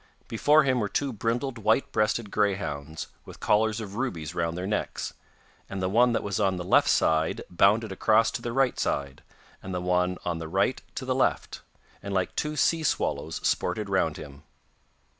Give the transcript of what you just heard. Before him were two brindled white breasted greyhounds with collars of rubies round their necks, and the one that was on the left side bounded across to the right side, and the one on the right to the left, and like two sea swallows sported round him.